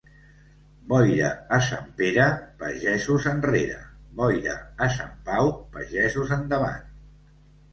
Boira a Sant Pere, pagesos enrere; boira a Sant Pau, pagesos endavant.